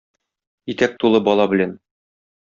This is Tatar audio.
Итәк тулы бала белән.